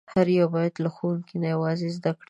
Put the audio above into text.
هر یو باید له ښوونکي نه یوازې زده کړه وکړي.